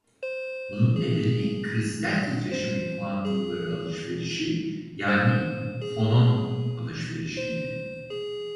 Bunun nedeni kristal titreşimi kuantumları alışverişi yani fonon alışverişiydi.